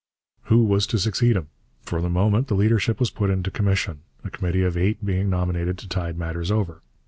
Who was to succeed him? For the moment the leadership was put into commission, a committee of eight being nominated to tide matters over.